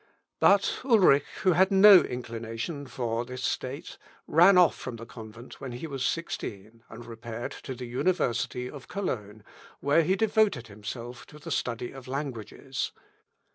But Ulrich, who had no inclination for this state, ran off from the convent when he was sixteen, and repaired to the University of Cologne, where he devoted himself to the study of languages.